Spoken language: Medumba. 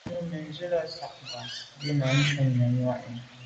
Jə̂ mə̀ndzwí lá zǎ tɛ̌n kghwâ’ ncùndá bâ shúnɔ̀m mwà’nì.